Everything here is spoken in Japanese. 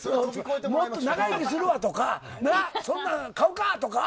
もっと長生きするわ、とかそんなん買うかとか。